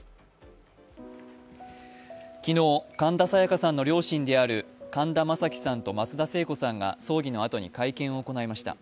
昨日、神田沙也加さんの両親である神田正輝さんと松田聖子さんが葬儀のあとに会見を行いました。